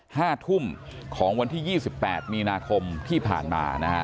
ห้าทุ่มของวันที่๒๘มีนาคมที่ผ่านมานะฮะ